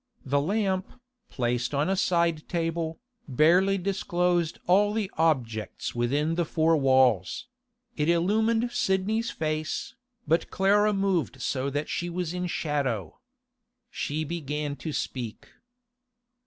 The lamp, placed on a side table, barely disclosed all the objects within the four walls; it illumined Sidney's face, but Clara moved so that she was in shadow. She began to speak.